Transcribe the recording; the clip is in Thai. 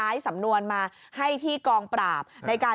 คุณผู้ชมฟังช่างปอลเล่าคุณผู้ชมฟังช่างปอลเล่าคุณผู้ชมฟังช่างปอลเล่า